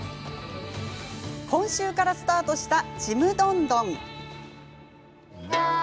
今週からスタートした「ちむどんどん」。